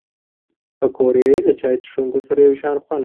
پکورې له چای څښونکو سره یو شان خوند لري